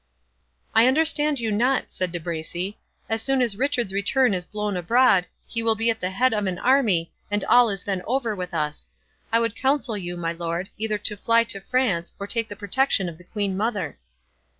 "I understand you not," said De Bracy. "As soon as Richard's return is blown abroad, he will be at the head of an army, and all is then over with us. I would counsel you, my lord, either to fly to France or take the protection of the Queen Mother."